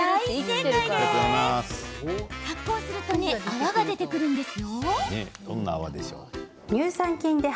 発酵すると泡が出てくるんです。